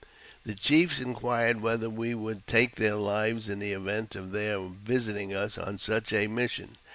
The chiefs inquired whether we would take their lives in the event of their visiting us on such a mission.